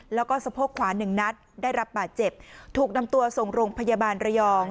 แล้วก็สะโพกขวาหนึ่งนัดได้รับบาดเจ็บถูกนำตัวส่งโรงพยาบาลระยอง